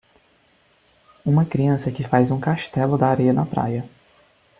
Uma criança que faz um castelo da areia na praia.